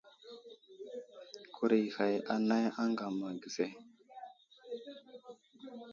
Kurag i ghag anay aŋgam age ve.